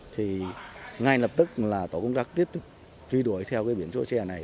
thì ngay lập tức là tổ công tác tiếp tục truy đuổi theo biển số xe này